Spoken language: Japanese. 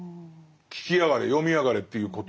聴きやがれ読みやがれっていうこと。